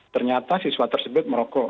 ternyata siswa tersebut merokok